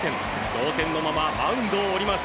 同点のままマウンドを降ります。